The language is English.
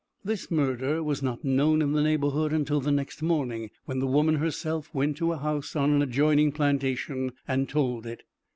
This murder was not known in the neighborhood until the next morning, when the woman herself went to a house on an adjoining plantation and told it.